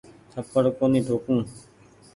ٿپڙ ڪونيٚ ٺوڪون ۔